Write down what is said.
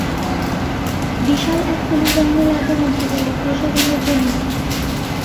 বিশাল এক পুলিশ বাহিনী লাগবে মন্ত্রীদের আত্মীয় স্বজনদের জন্যে।